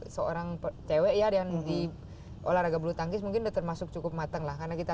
seorang cewek ya dengan olahraga bulu tangkis mungkin termasuk cukup matang lah karena kita